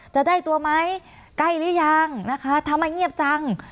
จะได้ตัวมั้ยใกล้หรือยังทำไมเงียบจัง